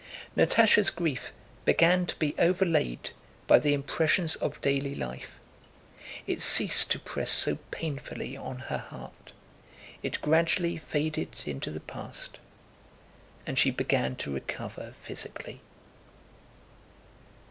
Natásha's grief began to be overlaid by the impressions of daily life, it ceased to press so painfully on her heart, it gradually faded into the past, and she began to recover physically.